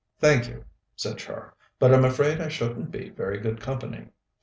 "Thank you," said Char, "but I'm afraid I shouldn't be very good company.